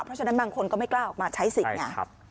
เพราะฉะนั้นบางคนก็ไม่กล้าออกมาใช้สิทธิ์ไง